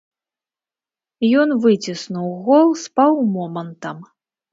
Ён выціснуў гол з паўмомантам.